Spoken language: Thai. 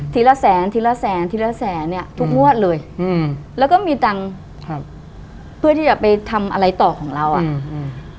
ละแสนทีละแสนทีละแสนเนี้ยทุกงวดเลยอืมแล้วก็มีตังค์ครับเพื่อที่จะไปทำอะไรต่อของเราอ่ะอืม